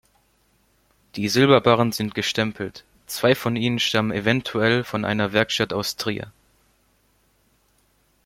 Die Silberbarren sind gestempelt, zwei von ihnen stammen eventuell von einer Werkstatt aus Trier.